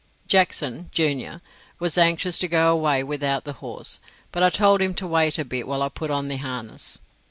Jackson, junior, was anxious to go away without the horse, but I told him to wait a bit while I put on the harness.